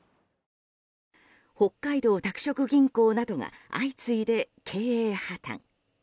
北海道拓殖銀行などが相次いで経営破綻。